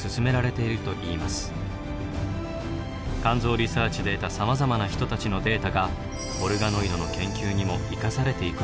肝臓リサーチで得たさまざまな人たちのデータがオルガノイドの研究にも生かされていくのです。